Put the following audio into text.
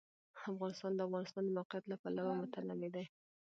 افغانستان د د افغانستان د موقعیت له پلوه متنوع دی.